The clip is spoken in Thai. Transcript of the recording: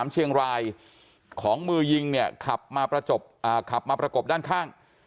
๑๐๓๓เชียงรายของมือยิงเนี่ยขับมาประกบด้านข้าง